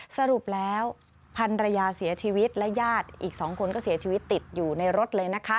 สรุปแล้วพันรยาเสียชีวิตและญาติอีก๒คนก็เสียชีวิตติดอยู่ในรถเลยนะคะ